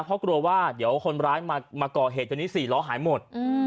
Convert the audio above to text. เพราะกลัวว่าเดี๋ยวคนร้ายมาก่อเหตุตัวนี้๔ล้อหายหมด